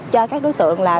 cho các đối tượng là